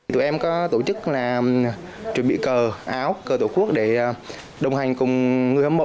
tụi em có tổ chức chuẩn bị cờ áo cờ tổ quốc để đồng hành cùng người hâm mộ